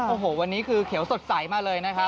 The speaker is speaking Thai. โอ้โหวันนี้คือเขียวสดใสมาเลยนะครับ